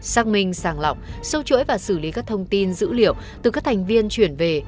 xác minh sàng lọc sâu chuỗi và xử lý các thông tin dữ liệu từ các thành viên chuyển về